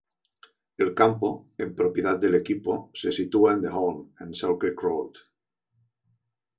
El campo, en propiedad del equipo, se sitúa en The Holm, en Selkirk Road.